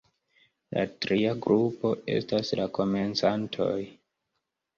La tria grupo estas la komencantoj.